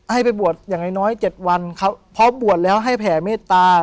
ให้ไปบวชอยางน้อยเจ็ดวันเขาเพราะบวชแล้วให้แผ่เมฆตา